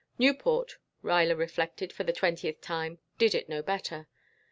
Newport, Ruyler reflected for the twentieth time, did it no better.